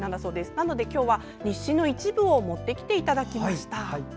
なので今日は日誌の一部を持ってきていただきました。